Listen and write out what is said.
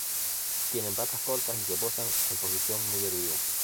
Tienen patas cortas y se posan en posición muy erguida.